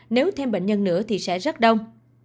nếu thêm bệnh nhân nữa thì sẽ rất đông